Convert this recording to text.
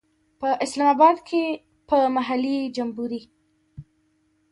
په اسلام آباد کې به محلي جمبوري.